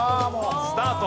スタート！